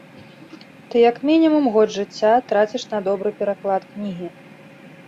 Ты як мінімум год жыцця траціш на добры пераклад кнігі.